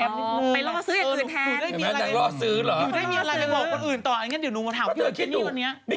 อ๋อไทยแอปนี่นุ้ม